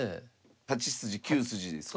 ８筋９筋ですか？